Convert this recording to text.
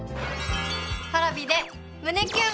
Ｐａｒａｖｉで胸キュン